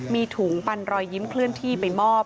มีถุงปันรอยยิ้มเคลื่อนที่ไปมอบ